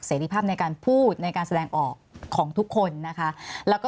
เสดีภาพในการพูดในการแสดงออกของทุกคนนะคะ